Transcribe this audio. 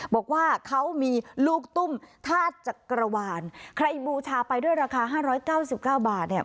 บอกว่าเขามีลูกตุ้มทาสจักรวาลใครบูชาไปด้วยราคาห้าร้อยเก้าสิบเก้าบาทเนี่ย